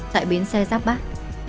tại bến xe giáp bát